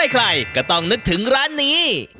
ใครก็ต้องนึกถึงร้านนี้